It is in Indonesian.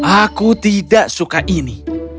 aku tidak suka ini